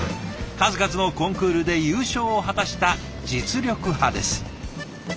数々のコンクールで優勝を果たした実力派です。